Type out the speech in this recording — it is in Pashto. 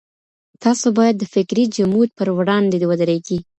تاسو بايد د فکري جمود پر وړاندې ودرېږئ.